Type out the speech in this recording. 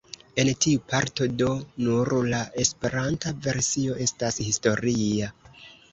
En tiu parto do nur la esperanta versio estas historia.